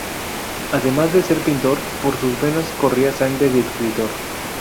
Además de ser pintor, por sus venas corría sangre de escritor.